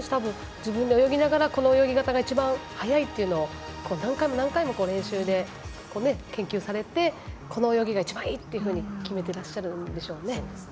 自分で泳ぎながら、この泳ぎ方が一番速いって何回も何回も練習で研究されてこの泳ぎが一番いいというふうに決めてらっしゃるんでしょうね。